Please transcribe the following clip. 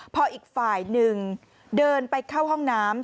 พออีกฝ่ายหนึ่งเดินไปเข้าห้องน้ำ